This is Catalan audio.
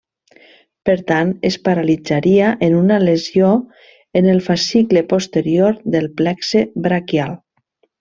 Per tant, es paralitzaria en una lesió en el fascicle posterior del plexe braquial.